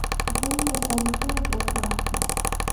ژوند په سړیتوب وکړه.